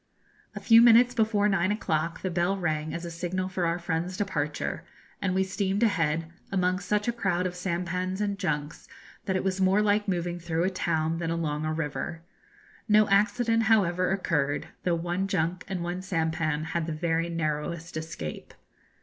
A few minutes before nine o'clock the bell rang as a signal for our friends' departure, and we steamed ahead, among such a crowd of sampans and junks that it was more like moving through a town than along a river. No accident, however, occurred, though one junk and one sampan had the very narrowest escape.